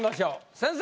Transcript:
先生！